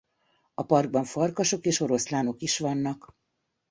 A parkban farkasok és oroszlánok is vannak.